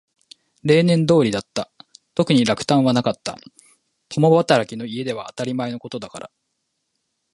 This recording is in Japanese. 例年通りだった。特に落胆はなかった。共働きの家では当たり前のことだから。